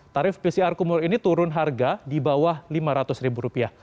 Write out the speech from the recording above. tarif pcr kumur ini turun harga di bawah rp lima ratus